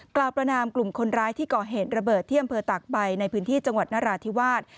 กล่าวประนามกลุ่มคนร้ายที่เกาะเหตุระเบิดเที่ยมเผลอตักไปในพื้นที่จังหวัดนราธิวาส